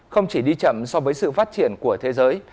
không chỉ đi chậm so với sự phát triển của thế giới